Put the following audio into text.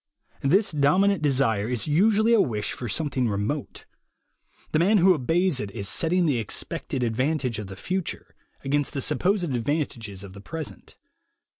This dominant desire is usually a wish for some thing remote. The man who obeys it is setting THE WAY TO WILL POWER 17 the expected advantage of the future against the supposed advantages of the present.